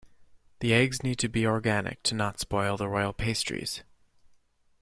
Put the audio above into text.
The eggs need to be organic to not spoil the royal pastries.